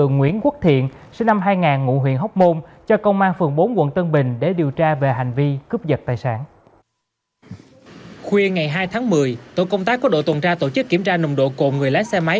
khuya ngày hai tháng một mươi tổ công tác của đội tuần tra tổ chức kiểm tra nồng độ cồn người lái xe máy